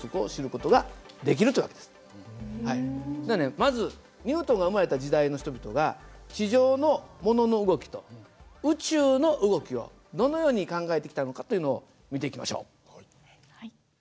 まずニュートンが生まれた時代の人々が地上の物の動きと宇宙の動きをどのように考えてきたのかというのを見ていきましょう。